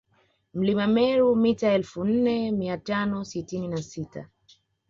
Mlima Meru mita elfu nne mia tano sitini na sita